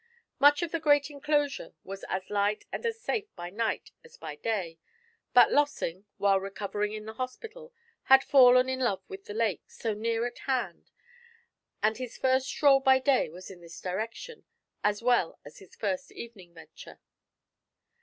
Much of the great inclosure was as light and as safe by night as by day, but Lossing, while recovering in the hospital, had fallen in love with the lake, so near at hand, and his first stroll by day was in this direction, as well as his first evening venture.